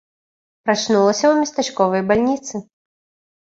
Прачнулася ў местачковай бальніцы.